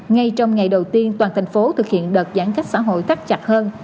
ngay trong ngày đầu tiên toàn thành phố thực hiện đợt giãn cách xã hội tắt chặt hơn